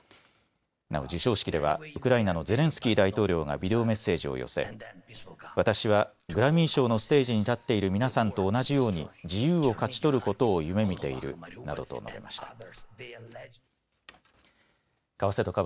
なお、授賞式ではウクライナのゼレンスキー大統領がビデオメッセージを寄せ私はグラミー賞のステージに立っている皆さんと同じように自由を勝ち取ることを夢みているなどと述べました。